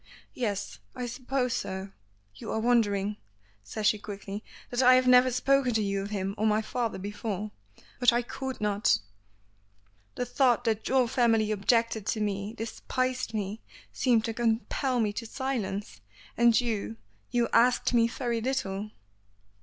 "Yes. I suppose so. You are wondering," says she quickly, "that I have never spoken to you of him or my father before. But I could not. The thought that your family objected to me, despised me, seemed to compel me to silence. And you you asked me very little."